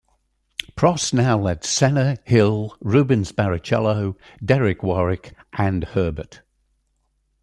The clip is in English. Prost now led Senna, Hill, Rubens Barrichello, Derek Warwick and Herbert.